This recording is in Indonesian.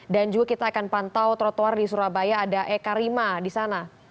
dan juga kita akan pantau trotoar di surabaya ada eka rima di sana